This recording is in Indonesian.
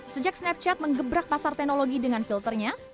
sejak snapchat mengebrak pasar teknologi dengan filternya